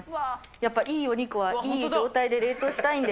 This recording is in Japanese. やっぱ、いいお肉はいい状態で冷凍したいんで。